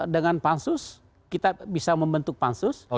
dengan pansus kita bisa membentuk pansus